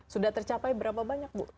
sudah tercapai berapa banyak bu